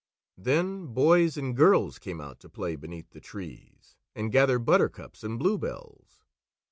Then boys and girls came out to play beneath the trees and gather buttercups and bluebells.